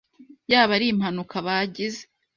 yaba ari impanuka bagize